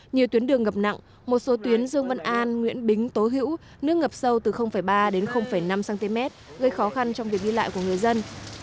nhiều tuyến đường ngập nặng một số tuyến dương văn an nguyễn bính tố hữu nước ngập sâu từ ba đến năm cm gây khó khăn trong việc đi lại của người dân